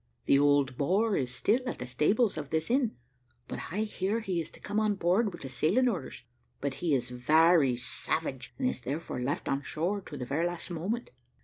The old boar is still at the stables of this inn, but I hear he is to come on board with the sailing orders; but he is very savage, and is therefore left on shore to the very last moment.